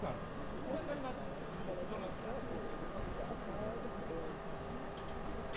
The Towpath Trail follows the historic route of the Ohio and Erie Canal.